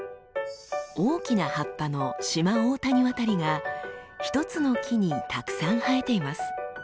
大きな葉っぱのシマオオタニワタリが１つの木にたくさん生えています。